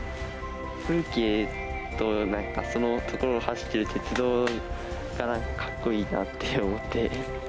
風景となんかその所を走ってる鉄道が、かっこいいなって思って。